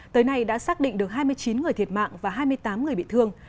tới nay đã xác định được hai mươi chín người thiệt mạng và hai mươi tám người bị thương